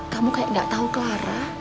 kamu kayak gak tau clara